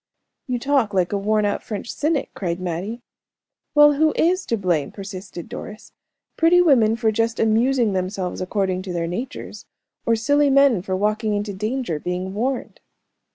"You talk like a worn out French cynic," cried Mattie. "Well, who is to blame?" persisted Doris; "pretty women for just amusing themselves according to their natures? or silly men for walking into danger, being warned?"